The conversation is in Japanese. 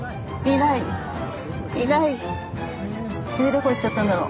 どこ行っちゃったんだろう。